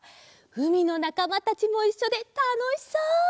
うみのなかまたちもいっしょでたのしそう！